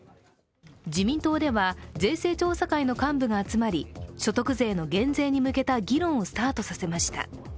自民党では税制調査会の幹部が集まり所得税の減税に向けた議論をスタートさせました。